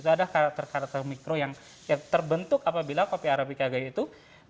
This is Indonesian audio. ada karakter karakter mikro yang terbentuk apabila kopi arabica kayak itu